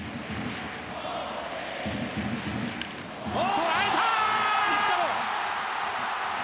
捉えた！